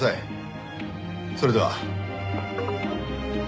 それでは。